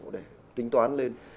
để tính toán lên